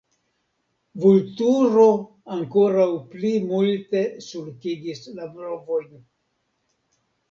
Vulturo ankoraŭ pli multe sulkigis la brovojn.